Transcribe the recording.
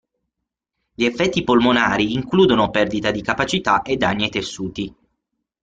Gli effetti polmonari includono perdita di capacità e danni ai tessuti.